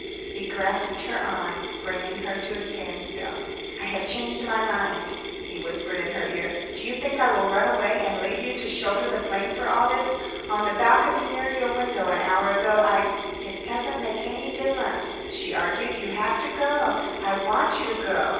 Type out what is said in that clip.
He grasped her arm, bringing her to a standstill. "I have changed my mind," he whispered in her ear. "Do you think I will run away and leave you to shoulder the blame for all this? On the balcony near your window an hour ago I " "It doesn't make any difference," she argued. "You have to go. I want you to go.